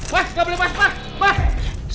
mas gak boleh mas mas mas